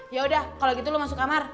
yaudah kalau gitu lu masuk kamar